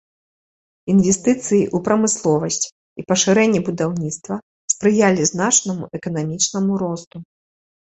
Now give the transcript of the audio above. Інвестыцыі ў прамысловасць і пашырэнне будаўніцтва спрыялі значнаму эканамічнаму росту.